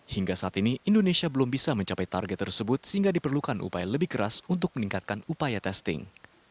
hingga saat ini indonesia belum bisa mencapai target tersebut sehingga diperlukan upaya lebih keras untuk meningkatkan upaya testing